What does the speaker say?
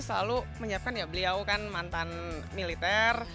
selalu menyiapkan ya beliau kan mantan militer